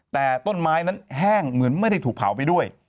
แต่ต้นไม้นั้นแห้งเหมือนไม่ได้ถูกเผาไปด้วย